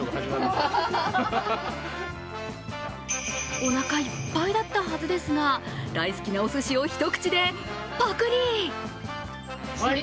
おなかいっぱいだったはずですが大好きなおすしを一口でぱくり。